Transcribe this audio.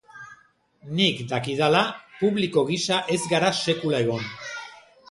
Nik dakidala, publiko gisa ez gara sekula egon.